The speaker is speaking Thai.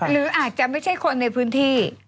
หรืออาจจะไม่ใช่คนในพื้นที่